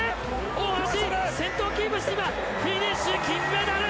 大橋、先頭をキープして今、フィニッシュ、金メダル！